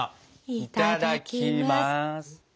いただきます。